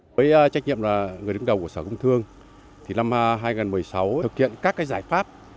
với trách nhiệm là người đứng đầu của sở công thương thì năm hai nghìn một mươi sáu thực hiện các giải pháp